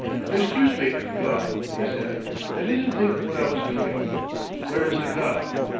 "Excuse me, Gubb," he said; "I didn't think what I was doing. Where is the cup?"